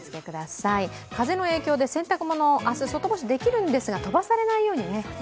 風の影響で洗濯物、明日、外干しできるんですが飛ばされないようにね。